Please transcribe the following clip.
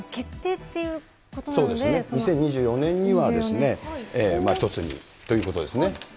そうですね、２０２４年にはですね、一つにということですね。